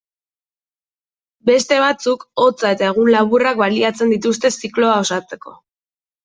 Beste batzuk, hotza eta egun laburrak baliatzen dituzte zikloa osatzeko.